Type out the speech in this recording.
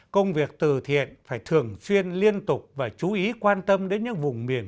công việc từ thiện phải thường xuyên liên tục và chú ý quan tâm đến những vùng miền